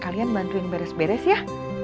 kalian bantuin beres beres ya